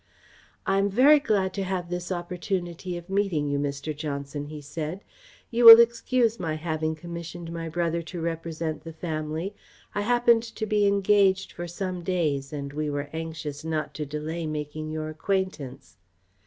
"I am very glad to have this opportunity of meeting you, Mr. Johnson," he said. "You will excuse my having commissioned my brother to represent the family. I happened to be engaged for some days and we were anxious not to delay making your acquaintance."